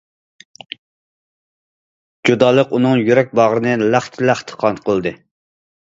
جۇدالىق ئۇنىڭ يۈرەك باغرىنى لەختە- لەختە قان قىلدى.